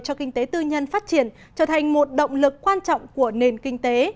cho kinh tế tư nhân phát triển trở thành một động lực quan trọng của nền kinh tế